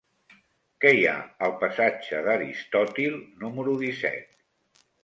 Què hi ha al passatge d'Aristòtil número disset?